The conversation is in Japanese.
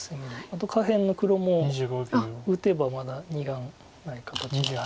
あと下辺の黒も打てばまだ２眼ない形なので。